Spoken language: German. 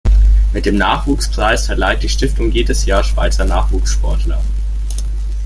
Mit dem Nachwuchs-Preis verleiht die Stiftung jedes Jahr Schweizer Nachwuchssportler.